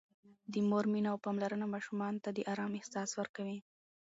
د مور مینه او پاملرنه ماشومانو ته د آرام احساس ورکوي.